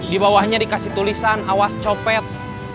dibawahnya dikasih tulisan awas copet